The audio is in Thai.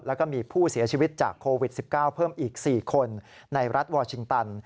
แล้วก็มีผู้เสียชีวิตจากโควิด๑๙เพิ่มอีก๔คนในรัฐวอร์ชิงตัน